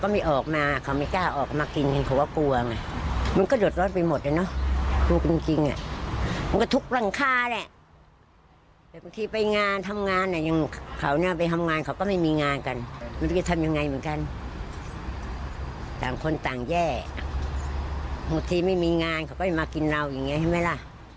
มันก็จะทำยังไงเหมือนกันต่างคนต่างแย่หมดทีไม่มีงานเขาก็ไม่มากินเหล้าอย่างงี้ใช่ไหมละ